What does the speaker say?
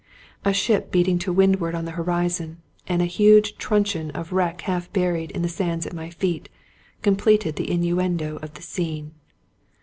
A ship beating to windward on the horizon, and a huge truncheon of wreck half buried in the sands at my feet, completed the innuendo of the scene.